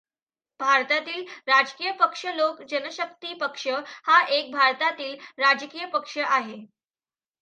भारतातील राजकीय पक्षलोक जनशक्ति पक्ष हा एक भारतातील राजकीय पक्ष आहे.